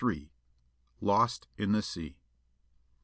LOST IN THE SEA.